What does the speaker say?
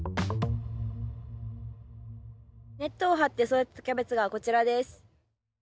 ネットを張って育てたキャベツがこちらです。